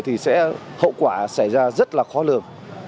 thì sẽ hậu quả xảy ra rất là khó lường